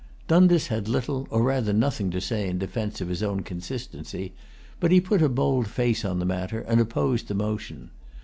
Dundas had little, or rather nothing, to say in defence of his own consistency; but he put a bold face on the matter, and opposed the motion.